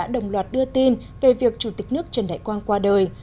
đưa tin về việc chủ tịch nước trần đại quang qua đời